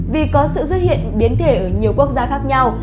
vì có sự xuất hiện biến thể ở nhiều quốc gia khác nhau